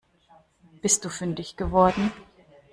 Bist du fündig geworden?